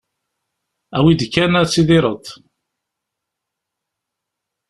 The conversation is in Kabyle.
Awi-d kan ad tidireḍ.